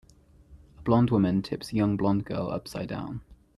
A blond woman tips a young blond girl upsidedown.